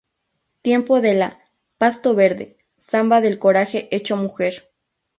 Tiempo de la "Pasto verde", Zamba del coraje hecho mujer.